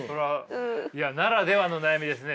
いやならではの悩みですね。